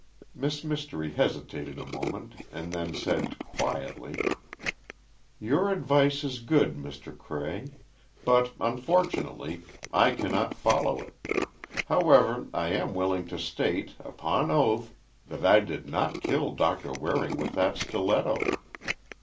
Miss Mystery hesitated a moment, and then said, quietly: "Your advice is good, Mr. Cray. But, unfortunately, I cannot follow it. However, I am willing to state, upon oath, that I did not kill Doctor Waring with that stiletto."